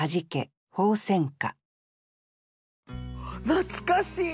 懐かしい！